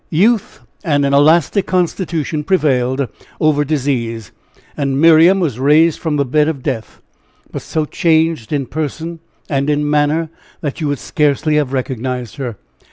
Youth, and an elastic constitution, prevailed over disease, and Miriam was raised from the bed of death; but so changed in person and in manner, that you would scarcely have recognized her.